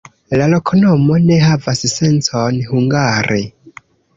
La loknomo ne havas sencon hungare.